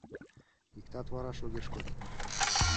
Иктат вараш огеш код